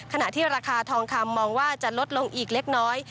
ขณะที่ราคาทองคำมองว่าจะลดลงอีกเล็กน้อย